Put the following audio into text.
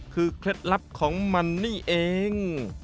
คือเคล็ดลับของมันนี่เอง